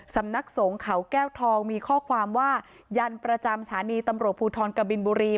สำนักสงฆ์เขาแก้วทองมีข้อความว่ายันประจำสถานีตำรวจภูทรกบินบุรี